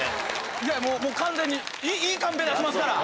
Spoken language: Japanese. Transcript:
いやもう完全にいいカンペ出しますから。